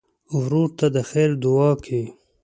ورور ته د خیر دعا کوې.